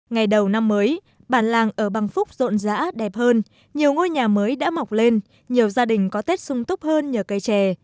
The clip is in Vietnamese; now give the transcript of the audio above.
ngày đầu năm mới bản làng ở bang phúc rộn rã đẹp hơn nhiều ngôi nhà mới đã mọc lên nhiều gia đình có tết sung túc hơn nhờ cây chè